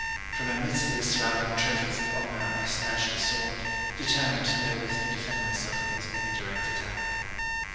From amidst the surrounding trophies of honour I snatched a sword, determined therewith to defend myself against any direct attack.